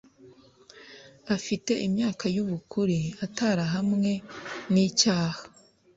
Afite imyaka y ubukure atarahamwe n icyaha